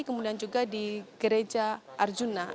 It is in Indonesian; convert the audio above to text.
kemudian juga di gereja arjuna